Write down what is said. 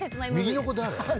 右の子誰？